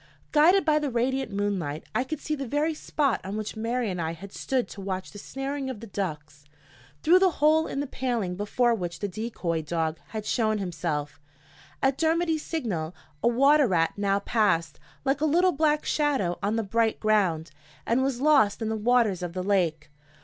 Guided by the radiant moonlight, I could see the very spot on which Mary and I had stood to watch the snaring of the ducks. Through the hole in the paling before which the decoy dog had shown himself, at Dermody's signal, a water rat now passed, like a little black shadow on the bright ground, and was lost in the waters of the lake.